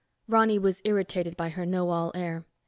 Ronny was irritated by her know all air.